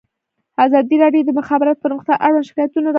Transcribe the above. ازادي راډیو د د مخابراتو پرمختګ اړوند شکایتونه راپور کړي.